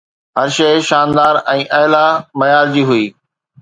هر شي شاندار ۽ اعلي معيار جي هئي